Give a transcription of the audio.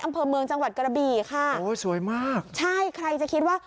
อำเภอเมืองจังหวัดกระบี่ค่ะโอ้สวยมากใช่ใครจะคิดว่า